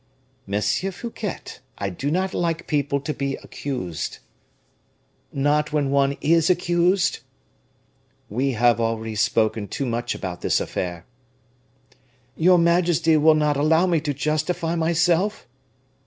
"Monsieur Fouquet, I do not like people to be accused." "Not when one is accused?" "We have already spoken too much about this affair." "Your majesty will not allow me to justify myself?"